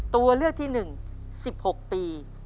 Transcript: ตัวเลือกที่หนึ่ง๑๖ปี